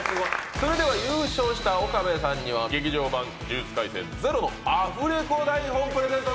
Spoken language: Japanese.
それでは優勝した岡部さんには「劇場版呪術廻戦０」のアフレコ台本をプレゼントでございます。